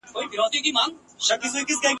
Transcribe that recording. چي جوار غنم را نه وړئ له پټیو ..